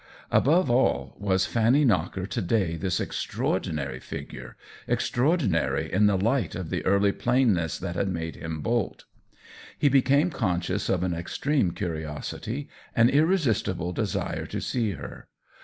Above all, was Fanny Knocker to day this extraordinary figure — i 50 THE WHEEL OF TIME extraordinary in the light of the early plain ness that had made him bolt ? He became conscious of an extreme curiosity, an irresist ible desire to see her.